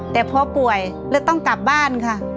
แต่พอป่วยแล้วต้องกลับบ้านค่ะ